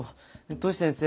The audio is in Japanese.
トシ先生